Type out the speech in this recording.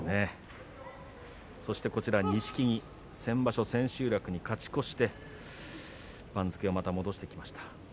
錦木は先場所、千秋楽に勝ち越して番付をまた戻してきました。